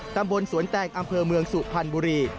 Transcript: ตำบลสวนแตงอำเภอเมืองสุพรรณบุรี